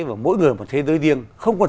và mỗi người một thế giới riêng không còn